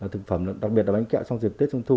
thực phẩm đặc biệt là bánh kẹo trong dịp tiết chung thu